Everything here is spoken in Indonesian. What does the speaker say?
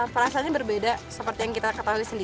perasaannya berbeda seperti yang kita ketahui sendiri